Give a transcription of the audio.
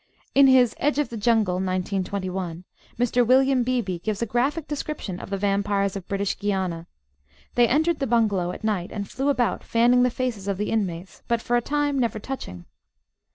In his Edge of the Jungle (1921) Mr. William Beebe gives a graphic description of the vampires of British Guiana. They entered the bungalow at night and flew about, fanning the faces of the inmates, but for a time never touching.